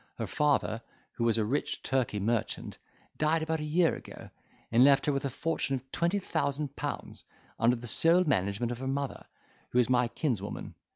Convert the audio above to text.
Her father, who was a rich Turkey merchant, died about a year ago, and left her with a fortune of twenty thousand pounds, under the sole management of her mother, who is my kinswoman.